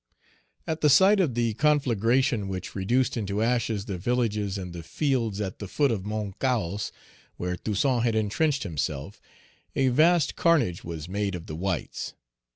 At the sight of the conflagration which reduced into ashes the villages and the fields at the foot of Mount Cahos, where Toussaint had entrenched himself, a vast carnage was made of the whites.